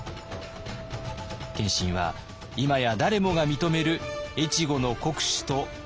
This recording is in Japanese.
謙信は今や誰もが認める越後の国主となったのです。